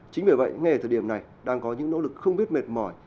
chính vì vậy ngay ở thời điểm này đang có những nỗ lực không biết mệt mỏi